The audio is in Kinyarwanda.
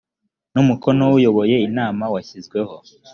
n umukono w uyoboye inama washyizweho